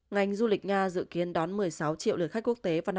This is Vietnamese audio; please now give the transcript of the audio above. ngành du lịch nga dự kiến đón một mươi sáu triệu lượt khách quốc tế vào năm hai nghìn hai